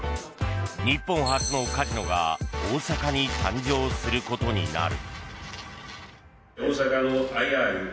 日本初のカジノが大阪に誕生することになる。